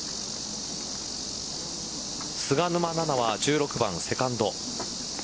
菅沼菜々は１６番セカンド。